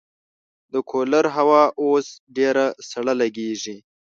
د کولر هوا اوس ډېره سړه لګېږي.